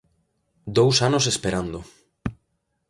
¡Dous anos esperando!